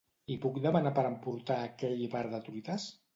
Hi puc demanar per emportar a aquell bar de truites?